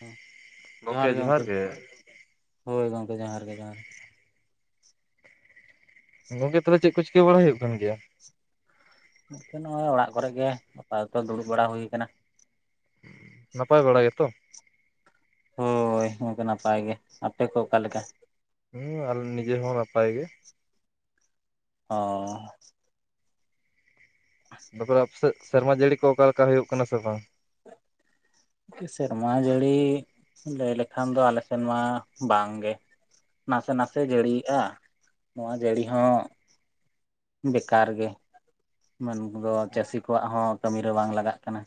ᱦᱮᱸ, ᱡᱚᱦᱟᱨ ᱜᱮ ᱜᱚᱝᱠᱮ ᱦᱳᱭ ᱜᱚᱝᱠᱮ ᱡᱚᱦᱟᱨ ᱜᱮ ᱡᱚᱦᱟᱨ ᱜᱚᱝᱠᱮ ᱛᱚᱵᱮ ᱪᱮᱫ ᱠᱚ ᱪᱤᱠᱟᱹ ᱵᱟᱲᱟ ᱦᱩᱭᱩᱜ ᱠᱟᱱ ᱜᱮᱭᱟ? ᱜᱚᱝᱠᱮ ᱱᱚᱜ-ᱚᱭ ᱚᱲᱟᱜ ᱠᱚᱨᱮᱜ ᱜᱮ ᱟᱯᱟᱛᱚᱛᱚ ᱫᱩᱲᱩᱵ ᱵᱟᱲᱟ ᱦᱩᱭ ᱠᱟᱱᱟ᱾ ᱱᱟᱯᱟᱭ ᱵᱟᱲᱟ ᱜᱮ ᱛᱚ ᱦᱳᱭ ᱜᱚᱝᱠᱮ ᱱᱟᱯᱟᱭ ᱜᱮ ᱟᱯᱮ ᱠᱚ ᱚᱠᱟᱞᱮᱠᱟ? ᱦᱩᱸ ᱟᱞ, ᱱᱤᱡᱮ ᱦᱚᱸ ᱱᱟᱯᱟᱭ ᱜᱮ᱾ ᱚᱻ ᱵᱟᱠᱷᱚᱨ ᱥᱮᱨᱢᱟ ᱡᱟᱹᱲᱤ ᱠᱚ ᱚᱠᱟ ᱞᱮᱠᱟ ᱦᱩᱭᱩᱜ ᱠᱟᱱᱟ ᱥᱮ ᱵᱟᱝ? ᱥᱮᱨᱢᱟ ᱡᱟᱹᱲᱤ ᱞᱟᱹᱭ ᱞᱮᱠᱷᱟᱱ ᱫᱚ ᱟᱞᱮ ᱥᱮᱱ ᱢᱟ ᱵᱟᱝᱜᱮ᱾ ᱱᱟᱥᱮ ᱱᱟᱥᱮ ᱡᱟᱹᱲᱤᱭᱮᱜᱼᱟ, ᱱᱚᱣᱟ ᱡᱟᱹᱲᱤ ᱦᱚᱸ ᱵᱮᱠᱟᱨ ᱜᱮ ᱢᱮᱱᱫᱚ ᱪᱟᱹᱥᱤ ᱠᱚᱣᱟᱜ ᱦᱚᱸ ᱠᱟᱹᱢᱤ ᱨᱮ ᱵᱟᱝ ᱞᱟᱜᱟᱜ ᱠᱟᱱᱟ᱾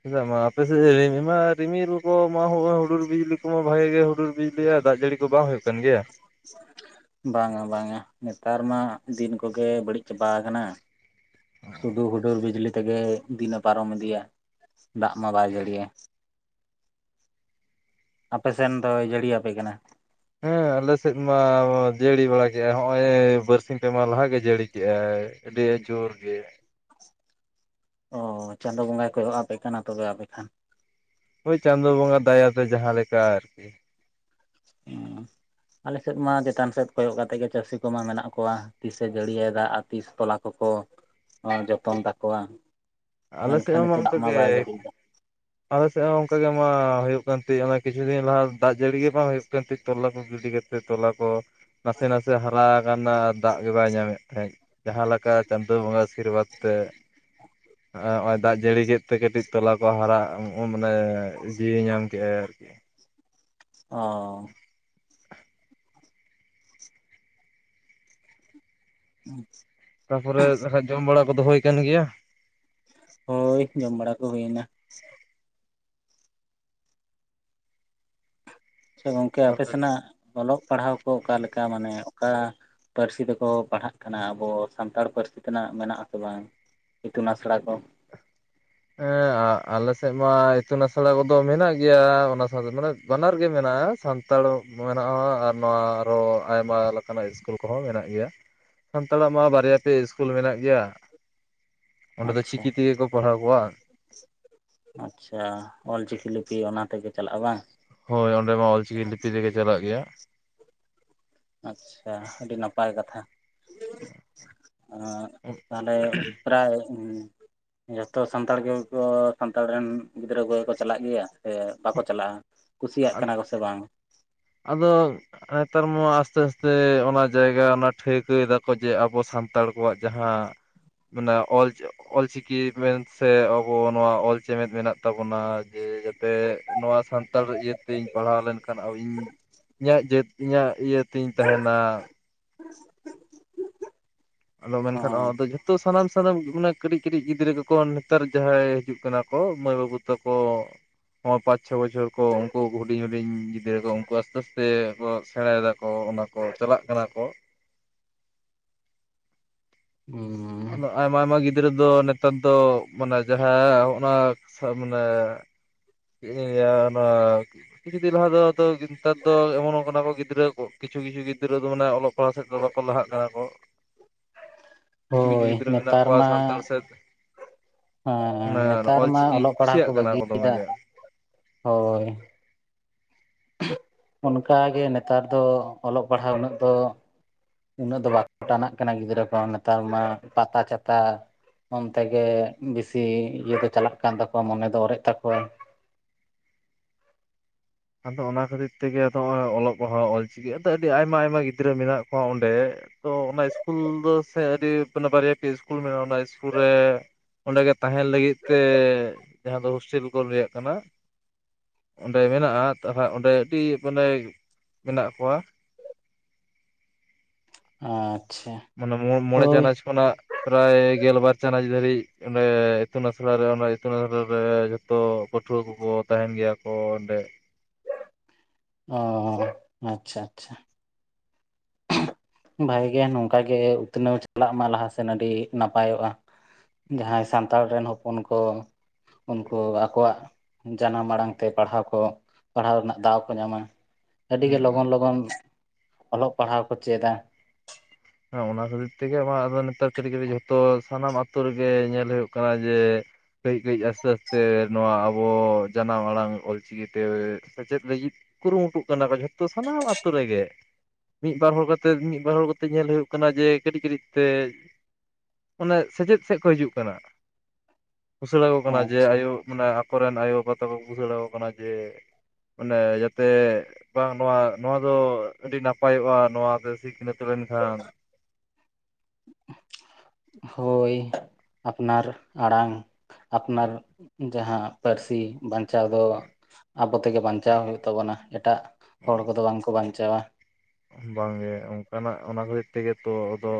ᱪᱮᱫᱟᱜ ᱢᱟ ᱟᱯᱮ ᱥᱮᱫ ᱨᱤ ᱢᱟ ᱨᱤᱢᱤᱞ ᱠᱚ ᱢᱟ ᱦᱩᱰᱩᱨ ᱵᱤᱡᱽᱞᱤ ᱠᱚᱢᱟ ᱵᱷᱟᱜᱤ ᱜᱮ ᱦᱩᱰᱩᱨ ᱵᱤᱡᱽᱞᱤᱭᱟᱩ ᱫᱟᱜ ᱡᱟᱹᱲᱤ ᱫᱚ ᱵᱟᱝ ᱦᱩᱭᱩᱜ ᱠᱟᱱ ᱜᱮᱭᱟ [inaudible] ᱵᱟᱝᱟ ᱵᱟᱝᱟ ᱱᱮᱛᱟᱨ ᱢᱟ ᱫᱤᱱ ᱠᱚᱜᱮ ᱵᱟᱹᱲᱤᱡ ᱪᱟᱵᱟ ᱟᱠᱟᱱᱟ᱾ ᱥᱩᱫᱩ ᱦᱩᱰᱩᱨ ᱵᱤᱡᱽᱞᱤ ᱛᱮᱜᱮ ᱫᱤᱱᱮ ᱯᱟᱨᱚᱢ ᱤᱫᱤᱭᱟ, ᱫᱟᱜ ᱢᱟ ᱵᱟᱭ ᱡᱟᱹᱲᱤᱭᱟ᱾ ᱟᱯᱮ ᱥᱮᱱ ᱫᱚᱭ ᱡᱟᱹᱲᱤᱭᱟᱤᱭᱟᱯᱮ ᱠᱟᱱᱟ ᱦᱮᱸ, ᱟᱞᱮ ᱥᱮᱫ ᱢᱟ ᱡᱟᱹᱲᱤ ᱵᱟᱲᱟ ᱠᱮᱫᱮᱜᱟᱭ ᱦᱚᱸᱜᱼᱚᱭ ᱵᱟᱨᱥᱤᱧ ᱯᱮ ᱢᱟᱦᱟᱸ ᱞᱟᱦᱟ ᱜᱮ ᱡᱟᱹᱲᱤ ᱠᱮᱜ-ᱟᱭ ᱟᱹᱰᱤ ᱡᱳᱨ ᱜᱮ᱾ ᱚ, ᱪᱟᱸᱫᱚ ᱵᱚᱸᱜᱟ ᱠᱚᱭᱚᱜ ᱟᱯᱮ ᱠᱟᱱᱟ ᱛᱚᱵᱮ ᱟᱯᱮ ᱠᱷᱟᱱ ᱦᱳᱭ ᱪᱟᱸᱫᱚᱳ ᱵᱚᱸᱜᱟ ᱫᱟᱭᱟᱛᱮ ᱡᱟᱦᱟᱸ ᱞᱮᱠᱟ ᱟᱨᱠᱤ᱾ ᱟᱞᱮ ᱥᱮᱫ ᱢᱟ ᱪᱮᱛᱟᱱ ᱥᱮᱫ ᱠᱚᱭᱚᱜ ᱠᱟᱛᱮᱫ ᱜᱮ ᱪᱟᱹᱥᱤ ᱠᱚ ᱢᱟ ᱢᱮᱱᱟᱜ ᱠᱚᱣᱟ, ᱛᱤᱥᱮ ᱡᱟᱹᱲᱤᱭ ᱫᱟᱜ ᱛᱤᱥ ᱛᱚᱞᱟ ᱠᱚᱠᱚ‌ ᱞᱟᱝ ᱡᱚᱛᱚᱱ ᱛᱟᱠᱚᱣᱟ᱾ ᱟᱞᱮ ᱥᱮᱫ ᱢᱮᱱᱠᱷᱟᱱ ᱦᱚᱸ ᱱᱤᱛᱚᱜ ᱫᱟᱜ ᱚᱝᱠᱟ ᱢᱟ ᱜᱮ᱾ ᱵᱟᱭ ᱡᱟᱹᱲᱤᱭᱮᱫᱟ ᱟᱞᱮ ᱥᱮᱫ ᱦᱚᱸ ᱚᱝᱠᱟᱟᱜ ᱜᱮ ᱢᱟ ᱦᱩᱭᱩᱜ ᱠᱟᱱᱛᱤ ᱠᱤᱪᱷᱩ ᱫᱤᱱ ᱞᱟᱦᱟ ᱫᱟᱜ ᱡᱟᱹᱲᱤ ᱜᱮ ᱵᱟᱝ ᱦᱩᱭᱩᱜ ᱠᱟᱱᱛᱤ ᱛᱚᱞᱟ ᱠᱚ ᱜᱤᱰᱤ ᱠᱟᱛᱮᱫ ᱛᱚᱞᱟ ᱠᱚ ᱱᱟᱥᱮ ᱱᱟᱥᱮ ᱦᱟᱨᱟ ᱟᱠᱟᱱᱟ ᱫᱟᱜ ᱜᱮ ᱵᱟᱭ ᱧᱟᱢᱮᱫ ᱛᱟᱦᱮᱸᱫ᱾ ᱡᱟᱦᱟᱸ ᱞᱮᱠᱟ ᱪᱟᱸᱫᱚ ᱵᱚᱸᱜᱟ ᱟᱥᱤᱨᱵᱟᱫᱽ ᱛᱮ ᱦᱚᱜᱚᱭ ᱫᱟᱜ ᱡᱟᱹᱲᱤ ᱠᱮᱫ ᱛᱮ ᱠᱟᱹᱴᱤᱡ ᱛᱚᱞᱟ ᱠᱚ ᱦᱟᱨᱟᱜ ᱢᱟᱱᱮ ᱡᱤᱭᱣ ᱧᱟᱢ ᱠᱮᱫᱮᱜᱟᱭ ᱟᱨᱠᱤ᱾ ᱚ [unintelligible] ᱦᱩᱸ [unintelligible] ᱛᱟᱯᱚᱨᱮᱠᱷᱟᱱ ᱡᱚᱢ ᱵᱟᱲᱟ ᱠᱚ ᱫᱚᱦᱚᱭ ᱠᱟᱱ ᱜᱮᱭᱟ? ᱦᱳᱭ ᱡᱚᱢ ᱵᱟᱲᱟ ᱠᱚ ᱦᱩᱭᱱᱟ ᱥᱮ ᱜᱚᱝᱠᱮ ᱟᱯᱮ ᱛᱟᱨᱯᱚᱨᱮ ᱥᱮᱱᱟᱜ ᱚᱞᱚᱜ ᱯᱟᱲᱦᱟᱣ ᱠᱚ ᱚᱠᱟᱮᱠᱟ ᱢᱟᱱᱮ ᱚᱠᱟ ᱯᱟᱹᱨᱥᱤ ᱛᱮᱠᱚ ᱯᱟᱲᱦᱟᱜ ᱠᱟᱱᱟ ᱟᱵᱚ ᱥᱟᱱᱛᱟᱲ ᱯᱟᱹᱨᱥᱤ ᱛᱮᱱᱟᱜ ᱢᱮᱱᱟᱜ ᱟᱥᱮ ᱵᱟᱝ ᱤᱛᱩᱱ ᱟᱥᱲᱟ ᱠᱚ ᱦᱮᱸ ᱟᱞᱮ ᱥᱮᱫ ᱢᱟ ᱤᱛᱩᱱ ᱟᱥᱲᱟ ᱠᱚᱫᱚ ᱢᱮᱱᱟᱜ ᱜᱮᱭᱟ ᱚᱱᱟ ᱥᱟᱶᱛᱮ ᱢᱟᱱᱮ ᱵᱟᱱᱟᱨ ᱜᱮ ᱢᱮᱱᱟᱜᱼᱟ ᱥᱟᱱ ᱥᱟᱱᱛᱟᱲ ᱢᱮᱱᱟᱜᱼᱟ ᱟᱨ ᱱᱚᱣᱟ ᱟᱨᱚ ᱟᱭᱢᱟ ᱞᱮᱠᱟᱱᱟᱜ ᱤᱥᱠᱩᱞ ᱠᱚᱦᱚᱸ ᱢᱮᱱᱟᱜ ᱜᱮᱭᱟ ᱥᱟᱱᱛᱟᱲᱟᱜ ᱢᱟ ᱵᱟᱨᱭᱟ ᱯᱮᱭᱟ ᱤᱥᱠᱩᱞ ᱢᱮᱱᱟᱜ ᱜᱮᱭᱟ ᱚᱸᱰᱮ ᱫᱚ ᱟᱪᱪᱷᱟ ᱪᱤᱠᱤ ᱛᱮᱜᱮ ᱠᱚ ᱯᱟᱲᱦᱟᱣ ᱠᱚᱣᱟ ᱟᱪᱪᱷᱟ ᱚᱞᱪᱤᱠᱤ ᱞᱤᱯᱤ ᱚᱱᱟ ᱛᱮᱜᱮ ᱪᱟᱞᱟᱜᱼᱟ ᱵᱟᱝ ᱦᱳᱭ ᱚᱸᱰᱮ ᱢᱟ ᱚᱞᱪᱤᱠᱤ ᱞᱤᱯᱤ ᱛᱮᱜᱮ ᱪᱟᱞᱟᱜ ᱜᱮᱭᱟ ᱟᱪᱪᱷᱟ ᱟᱹᱰᱤ ᱱᱟᱯᱟᱭ ᱠᱟᱛᱷᱟ ᱛᱟᱦᱚᱞᱮ ᱯᱨᱟᱭ ᱡᱚᱛᱚ ᱥᱟᱱᱛᱟᱲ ᱜᱮᱠᱚ ᱥᱟᱱᱛᱟᱲ ᱨᱮᱱ ᱜᱤᱫᱽᱨᱟᱹ ᱠᱚᱜᱮ ᱠᱚ ᱪᱟᱞᱟᱜ ᱜᱮᱭᱟ ᱥᱮ ᱵᱟᱠᱚ ᱪᱟᱞᱟᱜᱼᱟ ᱠᱩᱥᱤᱭᱟᱜ ᱠᱟᱱᱟ ᱠᱚᱥ ᱵᱟᱝ ᱟᱫᱚ ᱱᱮᱛᱟᱨ ᱢᱟ ᱟᱥᱛᱮ ᱟᱥᱛᱮ ᱚᱱᱟ ᱡᱟᱭᱜᱟ ᱚᱱᱟ ᱴᱷᱟᱹᱣᱠᱟᱹᱭ ᱫᱟᱠᱚ ᱡᱮ ᱟᱵᱚ ᱥᱟᱱᱛᱟᱲ ᱥᱟᱱᱛᱟᱲ ᱠᱚᱣᱟᱜ ᱡᱟᱦᱟᱸ ᱢᱟᱱᱮ ᱚᱞ ᱚᱞᱪᱤᱠᱤ ᱢᱮᱱ ᱥᱮ ᱟᱵᱚ ᱱᱚᱣᱟ ᱚᱞ ᱪᱮᱢᱮᱫ ᱢᱮᱱᱟᱜ ᱛᱟᱵᱚᱱᱟ ᱡᱮ ᱡᱟᱛᱮ ᱱᱚᱣᱟ ᱥᱟᱱᱛᱟᱲ ᱤᱭᱟᱹᱛᱮᱧ ᱯᱟᱲᱦᱟᱣ ᱞᱮᱱᱠᱷᱟᱱ ᱟ ᱤᱧ [inaudible] ᱤᱧᱟᱹᱜ ᱡᱟᱹᱛ ᱤᱧᱟᱹᱜ ᱤᱭᱟᱹᱛᱤᱧ ᱛᱟᱦᱮᱱᱟ [unintelligible] ᱟᱫᱚ ᱢᱮᱱᱠᱷᱟᱱ ᱱᱚᱣᱟ ᱫᱚ ᱡᱚᱛᱚ ᱛᱚ ᱥᱟᱱᱟᱢ ᱥᱟᱱᱟᱢ ᱢ ᱠᱟᱹᱴᱤᱡ ᱠᱟᱹᱴᱤᱡ ᱜᱤᱫᱽᱨᱟᱹ ᱠᱚᱠᱚ ᱱᱮᱛᱟᱨ ᱡᱟᱦᱟᱸᱭ ᱦᱤᱡᱩᱜ ᱠᱟᱱᱟ ᱠᱚ ᱢᱟᱹᱭ ᱵᱟᱹᱵᱩ ᱛᱟᱠᱚ ᱦᱚᱸ ᱯᱟᱸᱪ ᱪᱷᱚ ᱵᱚᱪᱷᱚᱨ ᱠᱚ ᱩᱱᱠᱩ ᱦᱩᱰᱤᱧ ᱦᱩᱰᱤᱧ ᱜᱤᱫᱽᱨᱟᱹ ᱠᱚ ᱩᱱᱠᱩ ᱟᱥᱛᱮ ᱟᱥᱛᱮ ᱥᱮ ᱥᱮᱬᱟᱭᱮᱫᱟᱠᱚ ᱚᱱᱟ ᱠᱚ ᱪᱟᱞᱟᱜ ᱠᱟᱱᱟ ᱠᱚ ᱦᱮᱸ ᱟᱫᱚ ᱟᱭᱢᱟ ᱟᱭᱢᱟ ᱜᱤᱫᱽᱨᱟᱹ ᱫᱚ ᱱᱮᱛᱟᱨ ᱫᱚ ᱢᱟᱱᱮ ᱡᱟᱦᱟᱸ ᱦᱚᱜ ᱢᱟᱱᱮ ᱪᱮᱫ ᱤᱧ ᱞᱟᱹᱣᱟ ᱚᱱᱟ ᱠᱤᱪᱷᱩ ᱫᱤᱱ ᱞᱟᱦᱟ ᱫᱚ ᱱᱮᱛᱟᱨ ᱫᱚ ᱮᱢᱚᱱᱚᱜ ᱠᱟᱱᱟ ᱠᱚ ᱜᱤᱫᱽᱨᱟᱹ ᱠᱚ ᱠᱤᱪᱷᱩ ᱠᱤᱪᱷᱩ ᱜᱤᱫᱽᱨᱟᱹ ᱢᱮ ᱚᱞᱚᱜ ᱠᱚᱲᱟ ᱥᱮᱫ ᱫᱚ ᱵᱟᱠᱚ ᱞᱟᱦᱟᱜ ᱠᱟᱱᱟ ᱠᱚ ᱠᱤᱪᱷᱩ ᱠᱤᱪᱷᱩ ᱦᱳᱭ ᱜᱤᱫᱽᱨᱟᱹ ᱢᱮᱱᱟᱜ ᱱᱮᱛᱟᱨ ᱠᱚᱣᱟ ᱢᱟ ᱥᱟᱱᱛᱟᱲ ᱥᱮᱫ ᱦᱮᱸ ᱚᱱᱟ ᱱᱮᱛᱟᱨ ᱢᱟ ᱚᱞᱪᱤᱠᱤ ᱚᱞᱚᱜ ᱯᱟᱲᱦᱟᱜ ᱠᱚ ᱠᱩᱥᱤᱭᱟᱜ ᱠᱟᱱᱟ ᱫᱚᱢᱮ ᱵᱟᱹᱜᱤᱭᱮᱫᱟ ᱜᱮ ᱦᱳᱭ ᱚᱱᱠᱟ ᱜᱮ ᱱᱮᱛᱟᱨ ᱫᱚ ᱚᱞᱚᱜ ᱯᱟᱲᱦᱟᱣ ᱩᱱᱟᱹᱜ ᱫᱚ ᱩᱱᱟᱹᱜ ᱫᱚ ᱵᱟᱠᱚ ᱴᱟᱱᱟᱜ ᱠᱟᱱᱟ ᱜᱤᱫᱽᱨᱟᱹ ᱠᱚ ᱱᱮᱛᱟᱨ ᱢᱟ ᱯᱟᱛᱟ ᱪᱷᱟᱛᱟ ᱚᱱᱛᱮ ᱜᱮ ᱵᱤᱥᱤ ᱤᱭᱟᱹ ᱫᱚ ᱪᱟᱞᱟᱜ ᱠᱟᱱ ᱛᱟᱠᱚᱣᱟ ᱢᱚᱱᱮ ᱫᱚ ᱚᱨᱮᱡ ᱛᱟᱠᱚᱣᱟ ᱟᱫᱚ ᱚᱱᱟ ᱠᱷᱟᱹᱛᱤᱨ ᱛᱮᱜᱮ ᱟᱫᱚ ᱱᱚᱜ ᱚᱚᱭ ᱚᱞᱚᱜ ᱯᱟᱲᱦᱟᱣ ᱚᱞᱪᱤᱠᱤ ᱟᱫᱚ ᱟᱹᱰᱤ ᱟᱭᱢᱟ ᱟᱭᱢᱟ ᱜᱤᱫᱽᱨᱟᱹ ᱢᱮᱱᱟᱜ ᱠᱚᱣᱟ ᱚᱸᱰᱮ ᱛᱚ ᱚᱱᱟ ᱤᱥᱠᱩᱞ ᱫᱚ ᱥᱮ ᱟᱹᱰᱤᱮ ᱵᱟᱨᱭᱟ ᱯᱮᱭᱟ ᱥᱤᱥᱠᱩᱞ ᱢᱮᱱᱟᱜᱼᱟ ᱚᱱᱟ ᱤᱥᱠᱩᱞ ᱨᱮ ᱚᱸᱰᱮᱜ ᱛᱟᱦᱮᱱ ᱞᱟᱹᱜᱤᱫ ᱛᱮ ᱡᱟᱦᱟᱸ ᱫᱚ ᱦᱳᱥᱴᱮᱞ ᱠᱚ ᱞᱭᱟᱜ ᱠᱟᱱᱟ ᱚᱸᱰᱮ ᱢᱮᱱᱟᱜᱼᱟ ᱛᱟᱦᱚᱞᱮ ᱚᱸᱰᱮ ᱟᱹᱰᱤ ᱵᱰᱮ ᱢᱮᱱᱟᱜ ᱠᱚᱣᱟ ᱟᱪᱷᱟ ᱢᱟᱱᱮ ᱢᱚᱬᱮ ᱪᱟᱱᱟᱪ ᱠᱷᱚᱱᱟᱜ ᱯᱨᱟᱭ ᱜᱮᱞᱵᱟᱨ ᱪᱟᱱᱟᱪ ᱫᱷᱟᱹᱨᱤᱡ ᱚᱸᱰᱮ ᱤᱛᱩᱱ ᱟᱥᱲᱟᱨᱮ ᱚᱱᱟ ᱤᱛᱩᱱ ᱟᱥᱲᱟᱨ ᱨᱮ ᱡᱚᱛᱚ ᱛᱚ ᱯᱟᱹᱴᱷᱣᱟᱹ ᱠᱚᱠᱚ ᱛᱟᱦᱮᱱ ᱜᱮᱭᱟ ᱠᱚ ᱚᱸᱰᱮ ᱚ ᱟᱪᱷᱟ ᱟᱪᱷᱟ ᱵᱷᱟᱜᱮ ᱱᱚᱝᱠᱟᱜ ᱜᱮ ᱩᱛᱱᱟᱹᱣ ᱪᱟᱞᱟᱜ ᱢᱟ ᱞᱟᱦᱟᱥᱮᱱ ᱟᱹᱰᱤ ᱱᱟᱯᱟᱭᱚᱜᱼᱟ ᱡᱟᱦᱟᱸᱭ ᱥᱟᱱᱛᱟᱲ ᱨᱮᱱ ᱦᱚᱯᱚᱱ ᱠᱚ ᱩᱱᱠᱩ ᱟᱠᱚᱣᱟᱜ ᱡᱟᱱᱟᱢ ᱟᱲᱟᱝ ᱛᱮ ᱯᱟᱲᱦᱟᱣ ᱠᱚ ᱯᱟᱲᱦᱟᱣ ᱨᱮᱱᱟᱜ ᱫᱟᱣ ᱠᱚ ᱧᱟᱢᱟ᱾ ᱟᱹᱰᱤ ᱜᱮ ᱦᱩᱸ ᱞᱚᱜᱚᱱ ᱞᱚᱜᱚᱱ ᱚᱞᱚᱜ ᱯᱟᱲᱦᱟᱣ ᱠᱚ ᱪᱮᱫᱟ᱾ ᱦᱮᱸ ᱚᱱᱟ ᱠᱷᱟᱹᱛᱤᱨ ᱛᱮᱜᱮ ᱟᱫᱚ ᱱᱮᱛᱟᱨ ᱠᱟᱹᱴᱤᱡ ᱠᱟᱹᱴᱤᱡ ᱡᱷᱚᱛᱚ ᱥᱟᱱᱟᱢ ᱟᱛᱳ ᱨᱮᱜᱮ ᱧᱮᱞ ᱦᱩᱭᱩᱜ ᱠᱟᱱᱟ ᱡᱮ ᱠᱟᱹᱡ ᱠᱟᱹᱡ ᱟᱥᱛᱮ ᱟᱥᱛᱮ ᱱᱚᱣᱟ ᱟᱵᱚ ᱡᱟᱱᱟᱢ ᱟᱲᱟᱝ ᱚᱞ ᱪᱤᱠᱤᱛᱮ ᱥᱮᱪᱮᱫ ᱞᱟᱹᱜᱤᱫ ᱠᱩᱨᱩᱢᱩᱴᱩᱜ ᱠᱟᱱᱟ ᱠᱚ ᱡᱷᱚᱛᱚ ᱥᱟᱱᱟᱢ ᱟᱛᱳ ᱨᱮᱜᱮ ᱢᱤᱫ ᱵᱟᱨ ᱦᱚᱲ ᱠᱟᱛᱮ ᱢᱤᱫ ᱵᱟᱨ ᱦᱚᱲ ᱛᱮ ᱧᱮᱞ ᱦᱩᱭᱩᱜ ᱠᱟᱱᱟ ᱡᱮ ᱠᱟᱹᱴᱤᱡ ᱠᱟᱹᱴᱤᱡ ᱛᱮ ᱚᱱᱟ ᱥᱮᱪᱮᱫ ᱥᱮᱫ ᱠᱚ ᱦᱤᱡᱩᱜ ᱠᱟᱱᱟ, ᱵᱩᱥᱟᱹᱲᱟᱹ ᱠᱟᱱᱟ ᱡᱮ ᱟᱪᱪᱷᱟ ᱟᱭᱳ ᱢᱟᱱᱮ ᱟᱠᱚᱨᱮᱱ ᱟᱭᱳ ᱵᱟᱵᱟ ᱛᱟᱠᱚ ᱵᱩᱥᱟᱹᱲᱟᱠ ᱠᱟᱱᱟ ᱡᱮ ᱢᱟᱱᱮ ᱡᱟᱛᱮ ᱵᱟᱝ ᱱᱚᱣᱟ ᱱᱚᱣᱟ ᱫᱚ ᱟᱹᱰᱤ ᱱᱟᱯᱟᱭᱚᱜᱼᱟ ᱱᱚᱣᱟ ᱛᱮ ᱥᱤᱠᱷᱱᱟᱹᱛ ᱛᱚᱵᱮᱱ ᱠᱷᱟᱱ, ᱦᱳᱭ ᱟᱯᱱᱟᱨ ᱟᱲᱟᱝ ᱟᱯᱱᱟᱨ ᱡᱟᱦᱟᱸ ᱯᱟᱹᱨᱥᱤ ᱵᱟᱧᱪᱟᱣ ᱫᱚ, ᱟᱵᱚ ᱛᱮᱜᱮ ᱵᱟᱧᱪᱟᱣ ᱦᱩᱭᱩᱜ ᱛᱟᱵᱚᱱᱟ ᱮᱴᱟᱜ ᱦᱚᱲ ᱠᱚᱫᱚ ᱵᱟᱝᱠᱚ ᱵᱟᱧᱪᱟᱣᱟ᱾ ᱵᱟᱝᱜᱮ ᱚᱱᱠᱟᱱᱟᱜ ᱚᱱᱟ ᱠᱷᱟᱹᱛᱤᱨ ᱛᱮᱜᱮ ᱛᱚ ᱟᱫᱚ,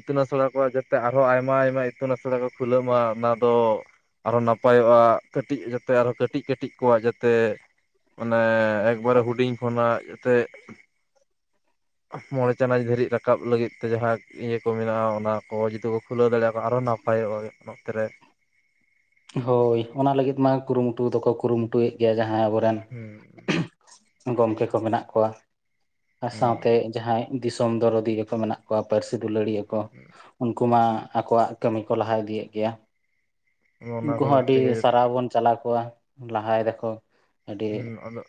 ᱤᱛᱩᱱ ᱟᱥᱲᱟ ᱠᱚ ᱡᱟᱛᱮ ᱟᱨᱦᱚᱸ ᱟᱭᱢᱟ ᱟᱭᱢᱟ ᱤᱛᱩᱱ ᱟᱥᱲᱟ ᱠᱚ ᱠᱷᱩᱞᱟᱹᱜᱣ ᱢᱟ ᱚᱱᱟ ᱫᱚ ᱟᱨᱦᱚᱸ ᱱᱟᱯᱟᱭᱚᱜᱼᱟ ᱠᱟᱹᱴᱤᱡ ᱡᱟᱛᱮ ᱟᱨᱚᱸ ᱠᱟᱹᱴᱤᱡᱠᱴᱤᱡ ᱠᱚᱣᱟᱜ ᱡᱟᱛᱮ ᱚᱱᱮ ᱮᱠᱵᱟᱨᱮ ᱦᱩᱰᱤᱧ ᱠᱷᱚᱱᱟᱜ ᱡᱟᱛᱮ ᱢᱚᱬᱮ ᱪᱟᱱᱟᱪ ᱫᱷᱟᱹᱨᱤᱡ ᱨᱟᱠᱟᱵ ᱞᱟᱹᱜᱤᱫ ᱛᱮ ᱡᱟᱦᱟᱸ ᱤᱭᱟᱹ ᱠᱚ ᱢᱮᱱᱟᱜᱼᱟ ᱚᱱᱟ ᱠᱚ ᱡᱩᱫᱤ ᱠᱚ ᱠᱷᱩᱞᱟᱹᱣ ᱫᱟᱲᱮᱭᱟᱜ ᱠᱚ ᱟᱨᱚ ᱱᱟ ᱯᱟᱭᱚᱜᱼᱟ ᱱᱚᱛᱮᱨᱮ᱾ ᱦᱳᱭ ᱚᱱᱟ ᱞᱟᱹᱜᱤᱫ ᱢᱟ ᱠᱩᱨᱩᱢᱩᱴᱩ ᱫᱚᱠᱚ ᱠᱩᱨᱩᱢᱩᱴᱩᱭᱮᱫ ᱜᱮᱭᱟ ᱡᱟᱦᱟᱸᱭ ᱟᱵᱚᱨᱮᱱ, ᱦᱩᱸ ᱜᱚᱝᱠᱮ ᱠᱚ ᱢᱮᱱᱟᱜ ᱠᱚᱣᱟ ᱟᱨ ᱥᱟᱶᱛᱮ ᱦᱩᱸ ᱡᱟᱦᱟᱸᱭ ᱫᱤᱥᱚᱢ ᱫᱚᱨᱫᱤᱭᱟ ᱠᱚ ᱢᱮᱱᱟᱜ ᱠᱚᱣᱟ ᱯᱟᱹᱨᱥᱤ ᱫᱩᱞᱟᱹᱲᱤᱭᱟ ᱠᱚ᱾ ᱩᱱᱠᱩ ᱢᱟ ᱟᱠᱚᱣᱟᱜ ᱠᱟᱹᱢᱤ ᱠᱚ ᱞᱟᱦᱟ ᱤᱫᱤᱭᱮᱫ ᱜᱮᱭᱟ᱾ ᱚᱱᱟ ᱩᱱᱠᱩ ᱦᱚᱸ ᱠᱷᱟᱹᱛᱤᱨ ᱟᱹᱰᱤ ᱛᱮᱜᱮ ᱥᱟᱨᱦᱟᱣ ᱵᱚᱱ ᱪᱟᱞᱟ ᱟᱠᱚᱭᱟ ᱞᱟᱦᱟᱭ ᱫᱟᱠᱚ᱾ ᱟᱹᱰᱤ ᱦᱮᱸ ᱟᱫᱚ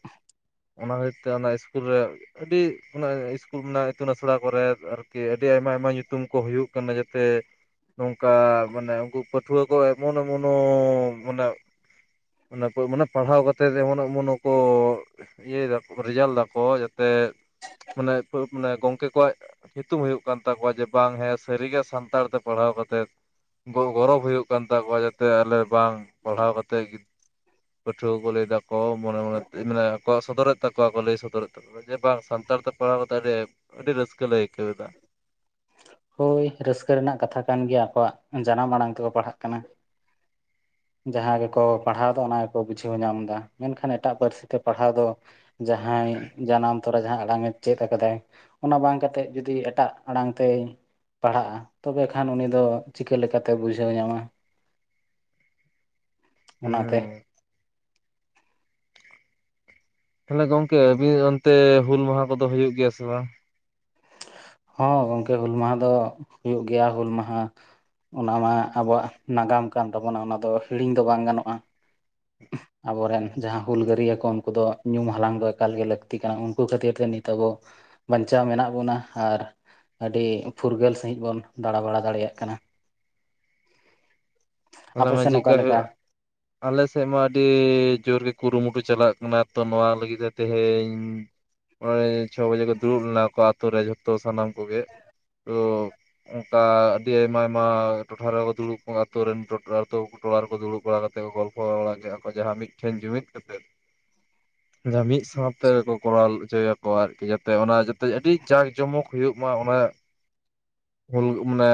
ᱚᱱᱟ ᱠᱷᱟᱹᱛᱤᱨ ᱛᱮ ᱚᱱᱟ ᱤᱥᱠᱩᱞ ᱨᱮ ᱟᱹᱰᱤ ᱚᱱᱟ ᱤᱥᱠᱩᱞ ᱨᱮᱱᱟᱜᱼᱟ ᱤᱛᱩᱱ ᱟᱥᱲᱟ ᱠᱚᱨᱮᱫ ᱟᱨ-ᱠᱤ ᱟᱹᱰᱤ ᱟᱭᱢᱟ ᱟᱭᱢᱟ ᱧᱩᱛᱩᱢ ᱠᱚ ᱦᱩᱭᱩᱜ ᱠᱟᱱᱟ ᱡᱟᱛᱮ ᱱᱚᱝᱠᱟ ᱢᱟᱱᱮ ᱩᱱᱠᱩ ᱯᱟᱹᱴᱷᱩᱣᱟᱹ ᱠᱚ ᱮᱢᱚᱱ ᱮᱢᱚ ᱱᱚᱻ ᱢᱟᱱᱮ ᱚᱱᱟ ᱠᱚ ᱢᱟᱱᱮ ᱯᱟᱲᱦᱟᱣ ᱠᱟᱛᱮ ᱮᱢᱚᱱᱚᱜ ᱚᱢᱚᱱᱚ ᱠᱚ ᱤᱭᱟᱹᱭ ᱫᱟᱠᱚ ᱨᱮᱡᱟᱞ ᱫᱟᱠᱚ ᱡᱟᱛᱮ ᱢᱟᱱᱮ ᱢᱟᱱᱮ ᱜᱚᱝᱠᱮ ᱠᱚᱣᱟᱜ ᱧᱩᱛᱩᱢ ᱦᱩᱭᱩᱜ ᱠᱟᱱ ᱛᱟᱠᱚᱣᱟ ᱡᱮ ᱵᱟᱝ ᱦᱮᱸ ᱥᱟᱹᱨᱤᱜᱮ ᱥᱟᱱᱛᱟᱲ ᱛᱮ ᱯᱟᱲᱦᱟᱣ ᱠᱟᱛᱮᱫ ᱜᱚᱨᱚᱵᱽ ᱦᱩᱭᱩᱜ ᱠᱟᱱ ᱛᱟᱠᱚᱣᱟ ᱡᱟᱛᱮ ᱟᱞᱮ ᱵᱟᱝ ᱯᱟᱲᱦᱟᱣ ᱠᱟᱛᱮᱜ ᱯᱟᱹᱴᱷᱩᱣᱟᱹ ᱠᱚ ᱞᱟᱹᱭ ᱫᱟᱠᱚ ᱢᱚᱱᱮ ᱢᱚᱱᱮᱛᱮ ᱢᱟᱱᱮ ᱟᱠᱚᱣᱟᱜ ᱥᱚᱫᱚᱨᱮᱫ ᱛᱟᱠᱚᱣᱟ ᱠᱚ ᱞᱟᱹᱭ ᱥᱚᱫᱚᱨᱮᱫ ᱛᱟᱠ ᱡᱮ ᱵᱟᱝ ᱥᱟᱱᱛᱟᱲ ᱛᱮ ᱯᱟᱲᱦᱟᱣ ᱠᱟᱛᱮᱫ ᱟᱹᱰᱤ ᱟᱹᱰᱤ ᱨᱟᱹᱥᱠᱟᱹ ᱞᱮ ᱟᱹᱭᱠᱟᱹᱣ ᱮᱫᱟ᱾ ᱦᱳᱭ ᱨᱟᱹᱥᱠᱟᱹ ᱨᱮᱱᱟᱜ ᱠᱟᱛᱷᱟ ᱠᱟᱱ ᱜᱮᱭᱟ ᱟᱠᱚᱣᱟᱜ ᱡᱟᱱᱟᱢ ᱟᱲᱟᱝ ᱛᱮᱠᱚ ᱯᱟᱲᱦᱟᱜ ᱠᱟᱱᱟ᱾ [inaudible] ᱡᱟᱦᱟᱸ ᱜᱮᱠᱚ ᱯᱟᱲᱦᱟᱣᱫᱟ ᱚᱱᱟ ᱜᱮᱠᱚ ᱵᱩᱡᱷᱟᱹᱣ ᱧᱟᱢᱫᱟ, ᱢᱮᱱᱠᱷᱟᱱ ᱮᱴᱟᱜ ᱯᱟᱹᱨᱥᱤ ᱛᱮ ᱯᱟᱲᱦᱟᱣ ᱫᱚ ᱡᱟᱦᱟᱸᱭ ᱡᱟᱱᱟᱢ ᱛᱚᱨᱟ ᱡᱟᱦᱟᱸ ᱟᱲᱟᱝ ᱮ ᱪᱮᱫ ᱟᱠᱟᱫᱟᱭ ᱚᱱᱟ ᱵᱟᱝ ᱠᱟᱛᱮᱫ ᱡᱩᱫᱤ ᱮᱴᱟᱜ ᱟᱲᱟᱝ ᱛᱮᱭ ᱯᱟᱲᱦᱟᱜᱼᱟ ᱛᱚᱵᱮ ᱠᱷᱟᱱ ᱩᱱᱤ ᱫᱚ ᱪᱤᱠᱟᱹ ᱞᱮᱠᱟᱛᱮ ᱵᱩᱡᱷᱟᱹᱣ ᱧᱟᱢᱟ ᱦᱩᱸ ᱚᱱᱟᱛᱮ ᱛᱟᱦᱚᱞᱮ ᱜᱚᱝᱠᱮ ᱟᱵᱤᱱ ᱚᱱᱛᱮ ᱦᱩᱞ ᱢᱟᱦᱟ ᱠᱚᱫᱚ ᱦᱩᱭᱩᱜ ᱜᱮᱭᱟ ᱥᱮ ᱵᱟᱝ? ᱦᱚᱸ ᱜᱚᱝᱠᱮ ᱦᱩᱞ ᱢᱟᱦᱟ ᱫᱚ ᱦᱩᱭᱩᱜ ᱜᱮᱭᱟ ᱦᱩᱞ ᱢᱟᱦᱟ ᱚᱱᱟ ᱢᱟ ᱟᱵᱚᱣᱟᱜ ᱱᱟᱜᱟᱢ ᱠᱟᱱ ᱛᱟᱵᱚᱱᱟ ᱚᱱᱟ ᱫᱚ ᱦᱤᱲᱤᱧ ᱫᱚ ᱵᱟᱝ ᱜᱟᱱᱚᱜᱼᱟ᱾ [inaudible] ᱟᱵᱚᱨᱮᱱ ᱡᱟᱦᱟᱸ ᱦᱩᱞᱜᱟᱹᱨᱭᱤᱭᱟ ᱠᱚ ᱩᱱᱠᱩ ᱫᱚ ᱧᱩᱢ ᱦᱟᱞᱟᱝ ᱫᱚ ᱮᱠᱟᱞ ᱜᱮ ᱞᱟᱹᱠᱛᱤ ᱠᱟᱱᱟ ᱩᱱᱠᱩ ᱠᱷᱟᱹᱛᱤᱨ ᱛᱮ ᱱᱤᱛ ᱟᱵᱚ ᱵᱟᱧᱪᱟᱣ ᱢᱮᱱᱟᱜ ᱵᱚᱱᱟ, ᱟᱨ ᱟᱹᱰᱤ ᱯᱷᱩᱨᱜᱟᱹᱞ ᱥᱟᱹᱦᱤᱡ ᱵᱚᱱ ᱫᱟᱬᱟᱵᱟᱲᱟ ᱫᱟᱲᱮᱭᱟᱜ ᱠᱟᱱᱟ᱾ ᱟᱯᱮ ᱚᱱᱟᱢᱟ ᱢᱟ ᱥᱮᱱ ᱚᱠᱟ ᱪᱮᱫᱠᱟ ᱞᱮᱠᱟ ᱦᱩᱭᱩᱜᱼᱟ ᱟᱞᱮ ᱥᱮᱫ ᱢᱟ ᱟᱹᱰᱤ ᱡᱩᱨ ᱜᱮ ᱠᱩᱨᱩᱢᱩᱴᱩ ᱪᱟᱞᱟᱜ ᱠᱟᱱᱟ ᱛᱚ ᱱᱚᱣᱟ ᱞᱟᱹᱜᱤᱫ ᱛᱮ ᱛᱮᱦᱮᱧ ᱱᱚᱜ-ᱚᱭ ᱪᱷᱚ ᱵᱟᱡᱮ ᱠᱚ ᱫᱩᱲᱩᱵ ᱞᱮᱱᱟ ᱠᱚ ᱟᱛᱚ ᱨᱮ ᱡᱷᱚᱛᱚ ᱥᱟᱱᱟᱢ ᱠᱚᱜᱮ ᱛᱚ ᱚᱱᱠᱟ ᱟᱹᱰᱤ ᱟᱭᱢᱟ ᱟᱭᱢᱟ ᱴᱚᱴᱷᱟ ᱨᱮ ᱦᱚᱸ ᱠᱚ ᱫᱩᱲᱩᱵ ᱠᱚᱜ-ᱟ ᱟᱛᱩ ᱨᱮᱱ ᱟᱹᱛᱩ ᱴᱚᱞᱟ ᱨᱮᱠᱚ ᱫᱩᱲᱩᱵ ᱵᱟᱲᱟ ᱠᱟᱛᱮᱫ ᱠᱚ ᱜᱚᱞᱯᱚ ᱵᱟᱲᱟ ᱠᱮᱜ-ᱟ ᱠᱚ ᱡᱟᱦᱟᱸ ᱢᱤᱫᱴᱷᱮᱱ ᱡᱩᱢᱤᱫ ᱠᱟᱛᱮᱫ ᱡᱟᱦᱟᱸ ᱢᱤᱫ ᱥᱟᱶ ᱛᱮ ᱵᱚ..... ᱵᱚᱦᱟᱞ ᱦᱚᱪᱚᱭᱟᱠᱚ ᱟᱨᱠᱤ ᱡᱟᱛᱮ ᱚᱱᱟ ᱡᱟᱛᱮᱡ ᱟᱹᱰᱤ ᱡᱟᱠ ᱡᱚᱢᱚᱠ ᱦᱩᱭᱩᱜ ᱢᱟ ᱚᱱᱟ.... ᱦᱩᱞ ᱢᱟᱱᱮ,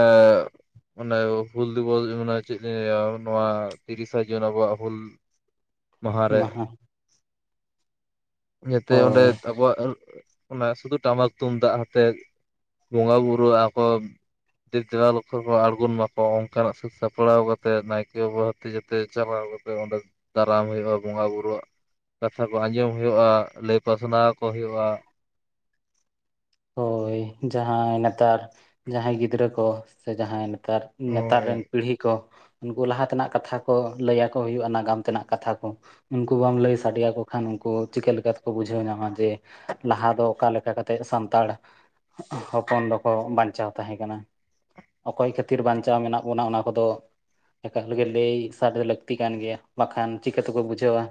ᱢᱟᱱᱮ ᱦᱩᱞ ᱫᱤᱵᱚᱥ ᱢᱟᱱᱮ ᱪᱮᱫ ᱤᱧ ᱞᱟᱹᱭᱟ ᱱᱚᱣᱟ ᱛᱤᱨᱤᱥᱟ ᱡᱩᱱ ᱟᱵᱚᱣᱟᱜ ᱦᱩᱞ ᱢᱟᱦᱟ ᱨᱮ [unintelligible] ᱡᱟᱛᱮ ᱚᱸᱰᱮ ᱦᱳᱭ ᱟᱵᱚᱣᱟᱜ ᱟ.... ᱚᱱᱟ ᱥᱩᱫᱩ ᱴᱟᱢᱟᱠ ᱛᱩᱢᱫᱟᱜ ᱦᱟᱛᱮᱫ ᱵᱚᱸᱜᱟ ᱵᱩᱨᱩ ᱟᱠᱚ [unintelligible] ᱟᱬᱜᱚᱱ ᱢᱟ ᱠᱚ ᱚᱱᱠᱟᱱᱟᱜ ᱥᱟᱹᱛ ᱥᱟᱯ.. [unintelligible] ᱥᱟᱯᱲᱟᱣ ᱠᱟᱛᱮᱜ ᱱᱟᱭᱠᱮ ᱵᱟᱵᱟ ᱛᱮ ᱡᱟᱛᱮ ᱪᱟᱞᱟᱣ ᱠᱟᱛᱮᱜ ᱚᱸᱰᱮ ᱫᱟᱨᱟᱢ ᱦᱩᱭᱩᱜᱼᱟ ᱵᱚᱸᱜᱟ ᱵᱩᱨᱩᱣᱟᱜ ᱠᱚ [unintelligible] ᱠᱟᱛᱷᱟ ᱠᱚ ᱟᱸᱡᱚᱢ ᱦᱩᱭᱩᱜᱼᱟ ᱞᱟᱹᱭ ᱯᱟᱥᱱᱟᱣ ᱟᱠᱚ ᱦᱩᱭᱩᱜᱼᱟ ᱦᱳᱭ ᱡᱟᱦᱟᱸᱭ ᱱᱮᱛᱟᱨ ᱡᱟᱦᱟᱸᱭ ᱜᱤᱫᱽᱨᱟᱹ ᱠᱚ ᱥᱮ ᱡᱟᱦᱟᱸᱭ ᱱᱮᱛᱟᱨ ᱱᱮᱛᱟᱨ ᱦᱳᱭ ᱨᱮᱱ [unintelligible] ᱯᱤᱲᱦᱤ ᱠᱚ ᱩᱱᱠᱩ ᱞᱟᱦᱟ ᱛᱮᱱᱟᱜ ᱠᱟᱛᱷᱟ ᱠᱚ ᱞᱟᱹ ᱟᱠᱚ ᱦᱩᱭᱩᱜᱼᱟ ᱱᱟᱜᱟᱢ ᱛᱮᱱᱟᱜ ᱠᱟᱛᱷᱟ ᱠᱚ ᱩᱱᱠᱩ ᱵᱟᱢ ᱞᱟᱹᱭ ᱥᱟᱰᱮ ᱟᱠᱚ ᱠᱷᱟᱱ ᱩᱱᱠᱩ ᱪᱤᱠᱟᱹ ᱞᱮᱠᱟ ᱛᱮᱠᱚ ᱵᱩᱡᱷᱟᱹᱣ ᱧᱟᱢᱟ ᱡᱮ ᱞᱟᱦᱟ ᱫᱚ ᱚᱠᱟ ᱞᱮᱠᱟ ᱠᱟᱛᱮᱜ ᱥᱟᱱᱛ.... ᱛᱟᱲ ᱦᱚᱯᱚᱱ ᱫᱚ ᱠᱚ ᱵᱟᱱᱪᱟᱣ ᱛᱟᱦᱮᱸ ᱠᱟᱱᱟ ᱚᱠᱚᱭ ᱠᱷᱟᱹᱛᱤᱨ ᱵᱟᱱᱪᱟᱣ ᱢᱮᱱᱟᱜ ᱵᱚᱱᱟ ᱚᱱᱟ ᱠᱚᱫᱚ ᱮᱠᱟᱞᱮ ᱜᱮ ᱞᱟᱹᱭ ᱥᱟᱰᱮ ᱞᱟᱹᱠᱛᱤ ᱠᱟᱱ ᱜᱮᱭᱟ ᱵᱟᱠᱷᱟᱱ ᱪᱤᱠᱟᱹ ᱛᱮᱠᱚ ᱵᱩᱡᱷᱟᱹᱣᱟ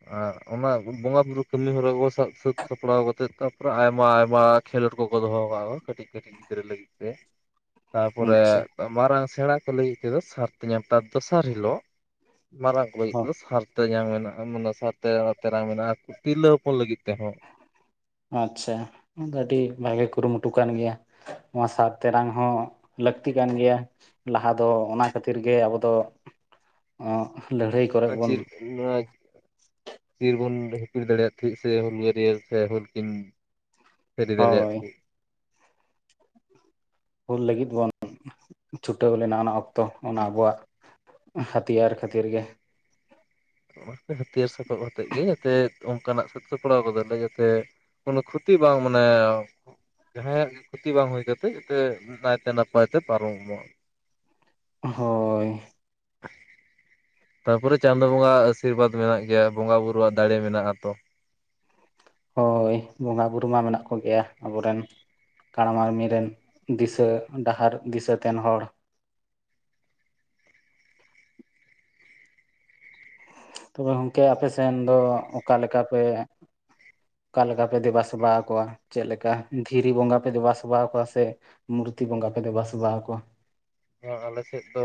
[unintelligible] ᱟᱨ ᱚᱱᱟ ᱵᱩ.. ᱵᱚᱸᱜᱟ ᱵᱩᱨᱩ ᱠᱟᱹᱢᱤ ᱦᱚᱨᱟ ᱵᱚ ᱥᱟᱵ ᱥᱟᱹᱛ ᱥᱟᱯᱲᱟᱣ ᱠᱟᱛᱮᱜ ᱛᱟᱯᱚᱨᱮ ᱟᱭᱢᱟ ᱟᱭᱢᱟ ᱠᱷᱮᱞᱚᱰ ᱠᱚᱠᱚ ᱫᱚᱦᱚ ᱟᱠᱟᱜ ᱠᱚ ᱠᱟᱹᱴᱤᱡ ᱠᱟᱹᱴᱤᱡ ᱜᱤᱫᱽᱨᱟᱹ ᱞᱟᱹᱜᱤᱫ ᱛᱮ ᱛᱟᱻᱯᱚᱨᱮ ᱟᱪᱪᱷᱟ ᱢᱟᱨᱟᱝ ᱥᱮᱬᱟ ᱠᱚ ᱞᱟᱹᱜᱤᱫ ᱛᱮᱫᱚ ᱥᱟᱨ ᱛᱮᱨᱟᱝ, ᱛᱟᱵ‌ ᱫᱚᱥᱟᱨ ᱦᱤᱞᱳᱜ ᱢᱟᱨᱟᱝ ᱠᱚ ᱞᱟᱹᱜᱤᱫ ᱦᱚᱸ ᱫᱚ ᱥᱟᱨᱛᱮ [unintelligible] ᱧᱟᱝ ᱢᱮᱱᱟᱜᱼᱟ ᱢᱚᱱᱮ [unintelligible] ᱥᱟᱨ ᱛᱮ ᱛᱮᱨᱟᱝ ᱢᱮᱱᱟᱜ-ᱟ ᱛᱤᱨᱞᱟᱹ ᱦᱚᱯᱚᱱ ᱞᱟᱹᱜᱤᱫ ᱛᱮᱦᱚᱸ ᱟᱪᱪᱷᱟ [unintelligible] ᱟᱹᱰᱤ ᱵᱷᱟᱜᱤ ᱠᱩᱨᱩᱢᱩᱴᱩ ᱠᱟᱱ ᱜᱤᱭᱟ ᱱᱚᱶᱟ ᱥᱟᱨ ᱛᱮᱨᱟᱝ ᱦᱚᱸ ᱞᱟᱹᱠᱛᱤ ᱠᱟᱱ ᱜᱮᱭᱟ ᱞᱟᱦᱟ ᱫᱚ ᱚᱱᱟ ᱠᱷᱟᱹᱛᱤᱨ ᱜᱮ ᱟᱵᱚ ᱫᱚ [unintelligible] ᱞᱟᱹᱲᱦᱟᱹᱭ ᱠᱚᱨᱮ [unintelligible] ᱟ... ᱵᱚᱱ ᱪᱤᱨ [unintelligible] ᱪᱤᱨ ᱵᱚᱱ ᱦᱤᱯᱤᱲ ᱫᱟᱲᱮᱭᱟᱜ ᱛᱟᱦᱮᱫ ᱥᱮ ᱦᱩᱞᱜᱟᱹᱨᱭᱟᱹ ᱥᱮ ᱦᱩᱞ ᱠᱤᱱ [unintelligible] ᱫᱟᱲᱮᱭᱟᱜ ᱦᱳᱭ ᱛᱟᱦᱮᱜ [unintelligible] ᱦᱩᱞ ᱞᱟᱹᱜᱤᱫ ᱵᱚᱱ ᱪᱷᱩᱴᱟᱹᱣ ᱞᱮᱱᱟ ᱚᱱᱟ ᱚᱠᱛᱚ ᱚᱱᱟ ᱟᱵᱚᱣᱟᱜ ᱦᱟᱛᱤᱭᱟᱨ ᱠᱷᱟᱹᱛᱤᱨ ᱜᱮ [unintelligible] ᱚᱱᱟᱛᱮ ᱦᱟᱹᱛᱭᱟᱹᱨ ᱥᱟᱯᱟᱵ ᱦᱟᱛᱮᱜ ᱜᱮ ᱡᱟᱛᱮ ᱚᱱᱠᱟᱱᱟᱜ ᱥᱟ. ᱛ-ᱥᱟ. ᱛ ᱯᱟᱲᱟᱣ ᱜᱚᱫᱟᱞᱮ ᱡᱟᱛᱮ ᱠᱚᱱᱚ ᱠᱷᱩᱛᱤ ᱵᱟᱝ ᱢᱟᱱᱮ ᱡᱟᱦᱟᱸᱭᱟᱜ ᱜᱮ ᱠᱷᱚᱛᱤ ᱵᱟᱝ ᱦᱩᱭ ᱠᱟᱛᱮ ᱡᱟᱛᱮ ᱱᱟᱭᱛᱮ ᱱᱟᱯᱟᱭ ᱛᱮ ᱯᱟᱨᱚᱢᱚᱜ ᱦᱚᱻᱭ... ᱛᱟᱯᱚᱨᱮ ᱪᱟᱸᱫᱚ ᱵᱚᱸᱜᱟᱟᱜ ᱟᱥᱤᱨᱵᱟᱫᱽ ᱢᱮᱱᱟᱜ ᱜᱮᱭᱟ ᱵᱚᱸᱜᱟ ᱵᱩᱨᱩ ᱣᱟᱜ ᱫᱟᱲᱮ ᱢᱮᱱᱟᱜᱼᱟ ᱛᱚ ᱦᱳᱭ ᱵᱚᱸᱜᱟ ᱵᱩᱨᱩ ᱢᱟ ᱢᱮᱱᱟᱜ ᱠᱚ ᱜᱮᱭᱟ ᱟᱵᱚᱨᱮᱱ ᱠᱟᱬᱟ ᱢᱟᱹᱱᱢᱤ ᱨᱮᱱ ᱫᱤᱥᱟᱹ ᱰᱟᱦᱟᱨ ᱫᱤᱥᱟᱹᱛᱮᱱ ᱦᱚᱲ ᱛᱚᱵᱮ ᱜᱚᱝᱠᱮ ᱟᱯᱮᱥᱮᱱ ᱫᱚ ᱚᱠᱟᱞᱮᱠᱟ ᱯᱮ ᱚᱠᱟ ᱞᱮᱠᱟ ᱯᱮ ᱫᱮᱵᱟ ᱥᱮᱵᱟ ᱟᱠᱚᱣᱟ ᱪᱮᱫ ᱞᱮᱠᱟ ᱫᱷᱤᱨᱤ ᱵᱚᱸᱜᱟ ᱯᱮ ᱫᱮᱵᱟ ᱥᱮᱵᱟ ᱟᱠᱚᱣᱟ ᱥᱮ ᱢᱩᱨᱛᱤ ᱵᱚᱸᱜᱟ ᱯᱮ ᱫᱮᱵᱟ ᱥᱮᱵᱟ ᱟᱠᱚᱣᱟ ᱟᱞᱮ ᱥᱮᱫ ᱫᱚ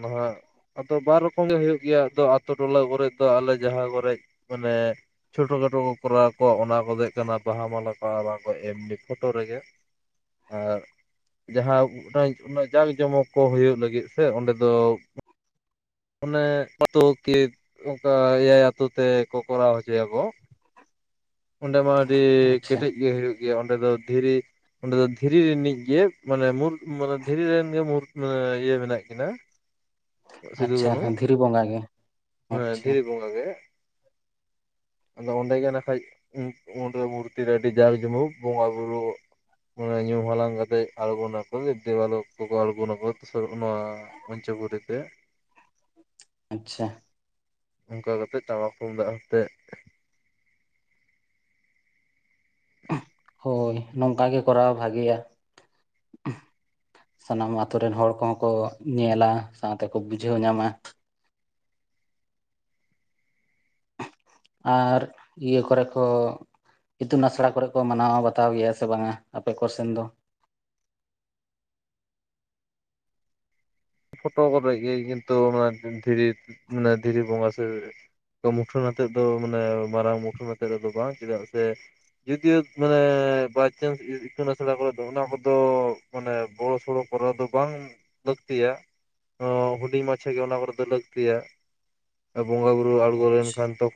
ᱱᱟᱦᱟᱜ ᱟᱫᱚ ᱵᱟᱨ ᱨᱚᱠᱚᱢ ᱜᱮ ᱦᱩᱭᱩᱜ ᱜᱮᱭᱟ ᱟᱹᱛᱩ ᱴᱚᱞᱟ ᱠᱚᱨᱮᱜ ᱫᱚ ᱾ ᱟᱞᱮ ᱡᱟᱦᱟ ᱠᱚᱨᱮᱜ ᱢᱟᱱᱮ ᱪᱷᱳᱴᱳ ᱠᱷᱟᱴᱳ ᱠᱚ ᱠᱚᱨᱟᱣ ᱟᱠᱚ ᱾ ᱚᱱᱟ ᱠᱚ ᱫᱚ ᱦᱩᱭᱩᱜ ᱠᱟᱱᱟ ᱵᱟᱦᱟ ᱢᱟᱞᱟ ᱠᱚ ᱚᱱᱟ ᱠᱚ ᱮᱢᱱᱤ ᱯᱷᱳᱴᱳ ᱨᱮᱜᱮ ᱾ [unintelligible] ᱟᱨ ᱡᱟᱦᱟᱸ [unintelligible] ᱡᱟᱠ ᱡᱚᱢᱚᱠ [unintelligible] ᱠᱚ ᱦᱩᱭᱩᱜ ᱞᱟᱹᱜᱤᱫ ᱥᱮ ᱚᱸᱰᱮ ᱫᱚ ᱚᱱᱮ ᱟ. ᱛᱩ ᱠᱤ ᱚᱱᱠᱟ ᱮᱭᱟᱭ ᱟᱛᱩ ᱛᱮ ᱠᱚ ᱠᱚᱨᱟᱣ ᱦᱚᱪᱚᱭ ᱟᱠᱚ ᱚᱸᱰᱮ ᱢᱟ ᱟᱹᱰᱤ ᱟᱪᱪᱷᱟ ᱠᱮᱴᱮᱡ ᱜᱮ ᱦᱩᱭᱩᱜ ᱜᱮᱭᱟ ᱚᱸᱰᱮ ᱫᱚ ᱫᱷᱤᱨᱤ [unintelligible] ᱚᱸᱰᱮ ᱫᱚ ᱫᱷᱤᱨᱤ ᱨᱤᱱᱤᱡ ᱜᱮ ᱢᱟᱱᱮ ᱢᱩᱨ [unintelligible] ᱢᱟᱱᱮ ᱫᱷᱤᱨᱤ ᱨᱮᱱ ᱜᱮ ᱢᱩᱨ [unintelligible] ᱤᱭᱟᱹ ᱢᱮᱱᱟᱜ ᱠᱤᱱᱟᱹ ᱥᱤᱫᱩ ᱟᱪᱪᱷᱟ ᱠᱟᱹᱱᱦᱩ ᱫᱷᱤᱨᱤ ᱵᱚᱸᱜᱟ ᱜᱮ [unintelligible] ᱮᱸ ᱟᱪᱪᱷᱟ ᱫᱷᱤᱨᱤ ᱵᱚᱸᱜᱟ ᱜᱮ ᱟᱫᱚ ᱚᱸᱰᱮ ᱜᱮ [unintelligible] ᱚᱸᱰᱮ ᱢᱩᱨᱛᱤᱮ ᱨᱮ ᱟᱹᱰᱤ ᱡᱟᱠ ᱡᱚᱢᱚᱠ ᱵᱚᱸᱜᱟ ᱵᱩᱨᱩ ᱚᱸᱲᱮ ᱧᱩᱢ ᱦᱟᱞᱟᱝ ᱠᱟᱛᱮ ᱟᱬᱜᱚᱱ ᱟᱠᱚ ᱫᱮᱣ ᱞᱚᱠ.. [unintelligible] ᱢᱚᱧᱪᱚ ᱯᱩᱨᱤ ᱛᱮ ᱟᱪᱪᱷᱟ ᱚᱱᱠᱟ ᱠᱟᱛᱮᱜ ᱴᱟᱢᱟᱠ ᱛᱩᱢᱫᱟᱜ ᱦᱟᱛᱮᱫ ᱾ ᱦᱳᱭ ᱱᱚᱝᱠᱟ ᱜᱮ ᱠᱚᱨᱟᱣ ᱵᱷᱟᱜᱮᱭᱟ ᱾ [inaudible] ᱥᱟᱱᱟᱢ ᱟᱛᱳ ᱨᱮᱱ ᱦᱚᱲ ᱠᱚᱦᱚᱸ ᱠᱚ ᱧᱮᱞᱟ ᱥᱟᱶᱛᱮ ᱠᱚ ᱵᱩᱡᱷᱟᱹᱣ ᱧᱟᱢᱟ ᱾ ᱟᱨ ᱤᱭᱟᱹ ᱠᱚᱨᱮ ᱠᱚ ᱤᱛᱩᱱ ᱟᱥᱲᱟ ᱠᱚᱨᱮ ᱠᱚ ᱢᱟᱱᱟᱣ ᱵᱟᱛᱟᱣ ᱜᱮᱭᱟ ᱥᱮ ᱵᱟᱝᱟ, ᱟᱯᱮ ᱠᱚ ᱥᱮᱱ ᱫᱚ? ᱯᱷᱳᱴᱳ ᱠᱚᱨᱮ ᱜᱮ, ᱠᱤᱱᱛᱩᱮ ᱫᱷᱤᱨᱤ ᱢᱟᱱᱮ ᱫᱷᱤᱨᱤ ᱵᱚᱸᱜᱟ ᱥᱮ ᱢᱩᱴᱷᱟᱹᱱ ᱟᱛᱮᱫ ᱫᱚ ᱢᱟᱱᱮ ᱢᱟᱨᱟᱝ ᱢᱩᱴᱷᱟᱹᱱ ᱟᱛᱮᱫ ᱫᱚ ᱵᱟᱝ, ᱪᱮᱫᱟᱜ ᱥᱮ ᱡᱚᱫᱤ ᱢᱟᱱᱮ ᱵᱟᱭᱪᱟᱱᱥ ᱤᱛᱩᱱ ᱟᱥᱲᱟ ᱠᱚᱨᱮ ᱫᱚ ᱚᱱᱟ ᱠᱚᱫᱚ ᱢᱟᱱᱮ ᱵᱚᱲᱚ ᱥᱚᱲᱚ ᱠᱚᱨᱟᱣ ᱫᱚ ᱵᱟᱝ ᱞᱟᱹᱠᱛᱤᱭᱟ ᱾ ᱚᱸ ᱦᱩᱰᱤᱧ ᱢᱟᱪᱷᱟ ᱜᱮ ᱚᱱᱟ ᱠᱚᱨᱮ ᱫᱚ ᱞᱟᱹᱠᱛᱤᱭᱟ ᱾ ᱵᱚᱸᱜᱟ ᱵᱩᱨᱩ ᱟᱬᱜᱚ ᱞᱮᱱᱠᱷᱟᱱ ᱛᱚ